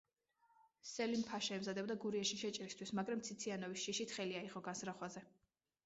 სელიმ-ფაშა ემზადებოდა გურიაში შეჭრისთვის, მაგრამ ციციანოვის შიშით ხელი აიღო განზრახვაზე.